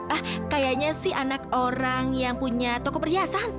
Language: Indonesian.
ah kayaknya sih anak orang yang punya toko perhiasan